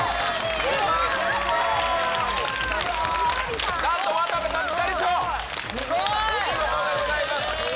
お見事でございます。